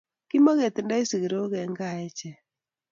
Kimaketindoi sikirokm en kaa echek